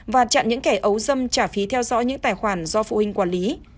và chặn những kẻ ấu dâm trả phí theo dõi những tài khoản do phụ huynh quản lý